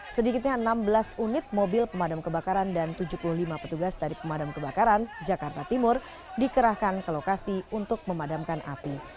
sedikitnya enam belas unit mobil pemadam kebakaran dan tujuh puluh lima petugas dari pemadam kebakaran jakarta timur dikerahkan ke lokasi untuk memadamkan api